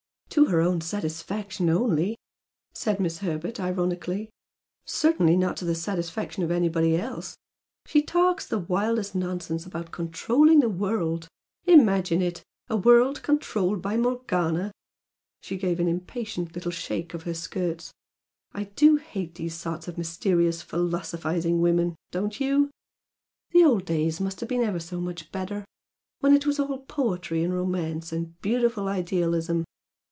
"To her own satisfaction only" said Miss Herbert, ironically, "Certainly not to the satisfaction of anybody else! She talks the wildest nonsense about controlling the world! Imagine it! A world controlled by Morgana!" She gave an impatient little shake of her skirts. "I do hate these sorts of mysterious, philosophising women, don't you? The old days must have been ever so much better! When it was all poetry and romance and beautiful idealism!